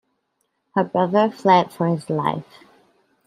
Her brother fled for his life.